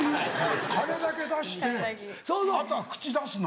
金だけ出してあとは口出すな。